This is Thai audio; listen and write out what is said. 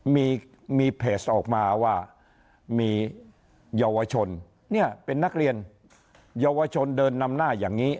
มีมีเพจออกมาว่ามีเยาวชนเนี่ยเป็นนักเรียนเยาวชนเดินนำหน้าอย่างนี้